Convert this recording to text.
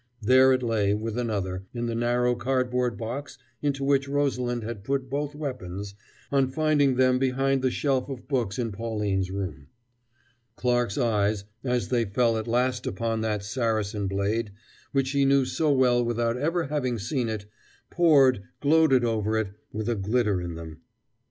There it lay, with another, in the narrow cardboard box into which Rosalind had put both weapons on finding them behind the shelf of books in Pauline's room. Clarke's eyes, as they fell at last upon that Saracen blade which he knew so well without ever having seen it, pored, gloated over it, with a glitter in them.